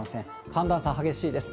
寒暖差激しいです。